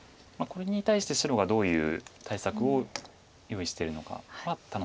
これに対して白がどういう対策を用意してるのかは楽しみです。